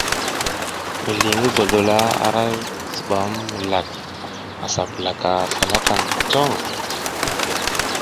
Mizli ngi godola ara zibam milak a sa pulaka slala tang jong.